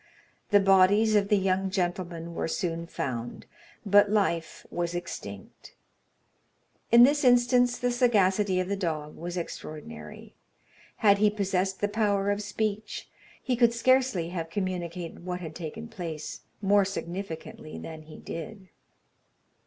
The bodies of the young gentlemen were soon found, but life was extinct. In this instance the sagacity of the dog was extraordinary. Had he possessed the power of speech, he could scarcely have communicated what had taken place more significantly than he did.